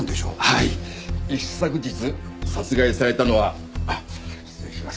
はい一昨日殺害されたのは失礼します